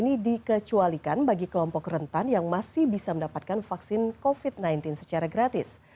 ini dikecualikan bagi kelompok rentan yang masih bisa mendapatkan vaksin covid sembilan belas secara gratis